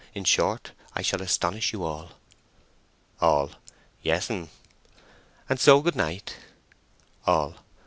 In short, I shall astonish you all." (All.) "Yes'm!" "And so good night." (All.)